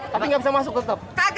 tapi nggak bisa masuk tutup